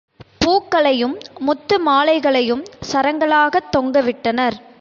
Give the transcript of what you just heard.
பூக்களையும், முத்து மாலைகளையும் சரங்களாகத் தொங்கவிட்டனர்.